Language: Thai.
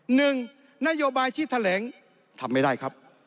หนึ่งนโยบายที่แถลงทำไม่ได้ครับ